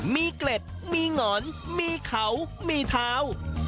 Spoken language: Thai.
มีเกล็ดมีหงอนมีเขามีเท้า